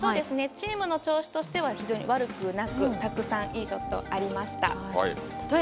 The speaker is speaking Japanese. チームの調子としては非常に悪くなくたくさんいいショットありました。